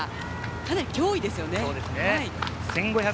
かなり脅威ですよね。